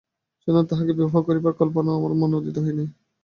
সুতরাং তাহাকে বিবাহ করিবার কল্পনাও আমার মনে উদিত হয় নাই।